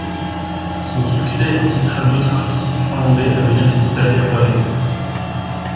Son succès incitera d’autres artistes finlandais à venir s’installer à Paris.